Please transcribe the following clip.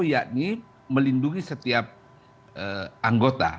yakni melindungi setiap negara